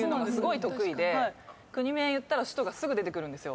国名言ったら首都がすぐ出てくるんですよ。